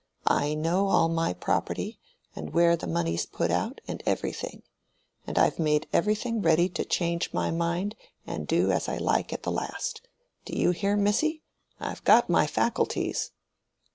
I know all my property, and where the money's put out, and everything. And I've made everything ready to change my mind, and do as I like at the last. Do you hear, missy? I've got my faculties."